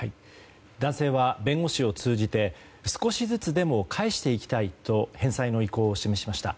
男性は弁護士を通じて少しずつでも返していきたいと返済の意向を示しました。